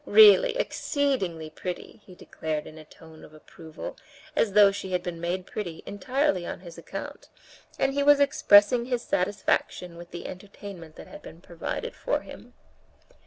Really, exceedingly pretty," he declared in a tone of approval, as though she had been made pretty entirely on his account, and he was expressing his satisfaction with the entertainment that had been provided for him.